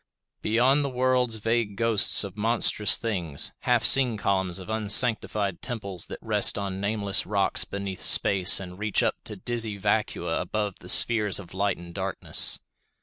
Beyond the worlds vague ghosts of monstrous things; half seen columns of unsanctified temples that rest on nameless rocks beneath space and reach up to dizzy vacua above the spheres of light and darkness.